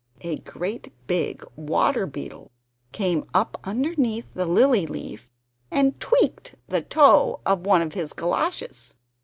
A great big water beetle came up underneath the lily leaf and tweaked the toe of one of his galoshes.